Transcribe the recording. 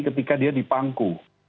ketika dia dipangku